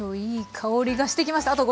いい香りがしてきました。